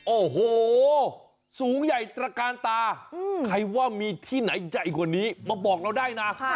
โอ้โหสูงใหญ่ตระกาลตาใครว่ามีที่ไหนใหญ่กว่านี้มาบอกเราได้นะ